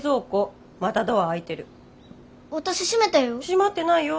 閉まってないよ。